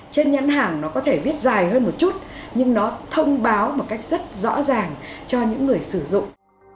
trên nhãn hàng nó có thể viết dài hơn một chút nhưng nó thông báo một cách rất rõ ràng cho những người sử dụng